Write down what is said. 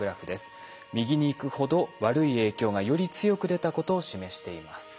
右に行くほど悪い影響がより強く出たことを示しています。